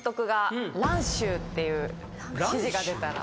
っていう指示が出たら。